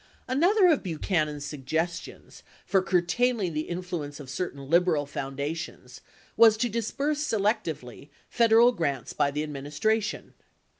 72 Another of Buchanan's suggestions for curtailing the influence of certain liberal foundations was to disburse selectively Federal grants by the administration.